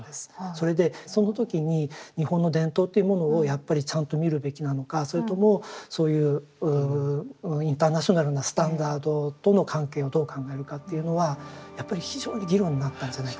それでその時に日本の伝統っていうものをやっぱりちゃんと見るべきなのかそれともそういうインターナショナルなスタンダードとの関係をどう考えるかというのはやっぱり非常に議論になったんじゃないかなという。